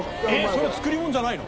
それ作り物じゃないの？